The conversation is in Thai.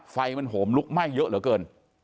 ไฟมันโหมลุกไหม้เยอะเหลือเกิน